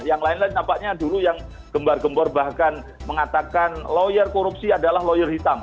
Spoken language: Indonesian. yang lain lain nampaknya dulu yang gembar gembor bahkan mengatakan lawyer korupsi adalah lawyer hitam